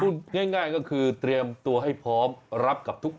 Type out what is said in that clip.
ง่ายก็คือเตรียมตัวให้พร้อมรับกับทุกคน